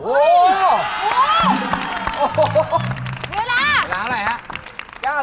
เวลาอะไรครับ